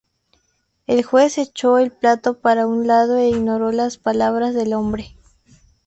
El juez echó el plato para un lado e ignoró las palabras del hombre.